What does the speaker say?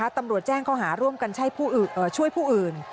ตำรวจแจ้งเขาหาร่วมกันช่วยผู้อื่น